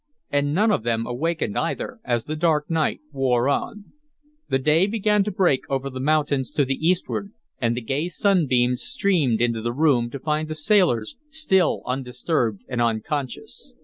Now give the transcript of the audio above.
And none of them awakened either, as the dark night wore on. The day began to break over the mountains to the eastward, and the gay sunbeams streamed into the room to find the sailors still undisturbed and unconscious.